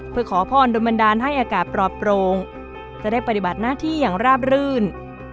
เพื่อขอพรโดนบันดาลให้อากาศปลอดโปร่งจะได้ปฏิบัติหน้าที่อย่างราบรื่น